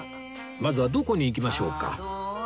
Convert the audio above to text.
まずはどこに行きましょうか？